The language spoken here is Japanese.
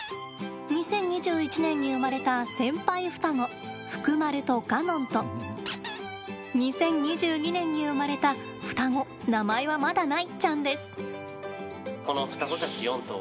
２０２１年に生まれた先輩双子フクマルとカノンと２０２２年に生まれた双子名前は、まだないちゃんです。